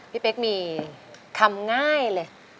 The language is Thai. เป๊กมีคำง่ายเลย